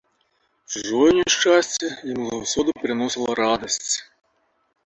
Чужое няшчасце яму заўсёды прыносіла радасць.